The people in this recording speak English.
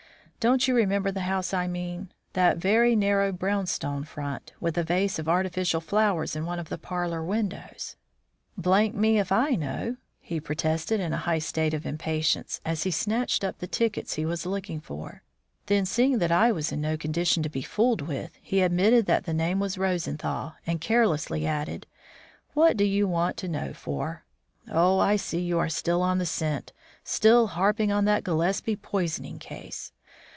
"Don't you remember the house I mean? That very narrow brown stone front, with a vase of artificial flowers in one of the parlour windows." " me if I know," he protested, in a high state of impatience, as he snatched up the tickets he was looking for. Then, seeing that I was in no condition to be fooled with, he admitted that the name was Rosenthal, and carelessly added, "What do you want to know for? Oh, I see, you are still on the scent; still harping on that Gillespie poisoning case.